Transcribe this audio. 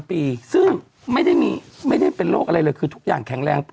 ปีซึ่งไม่ได้เป็นโรคอะไรเลยคือทุกอย่างแข็งแรง